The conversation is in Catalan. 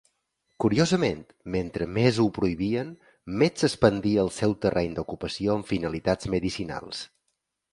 Curiosament, mentre més ho prohibien més s'expandia el seu terreny d'ocupació amb finalitats medicinals.